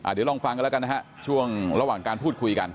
เดี๋ยวลองฟังกันแล้วกันนะฮะช่วงระหว่างการพูดคุยกัน